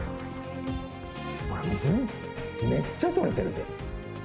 ほら見てみめっちゃ取れてるで。